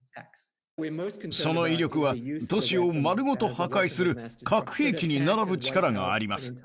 その威力は、都市を丸ごと破壊する核兵器に並ぶ力があります。